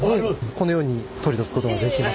このように取り出すことができます。